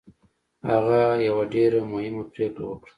هغه یوه ډېره مهمه پرېکړه وکړه